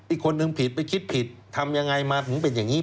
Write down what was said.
อีกคนนึงผิดไปคิดผิดทำยังไงมาถึงเป็นอย่างนี้